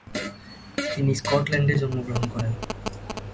তিনি স্কটল্যান্ডে জন্মগ্রহণ করেন।